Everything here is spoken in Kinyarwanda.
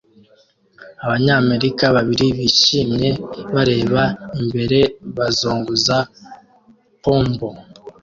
Abanyamerika babiri bishimye bareba imbere bazunguza pompom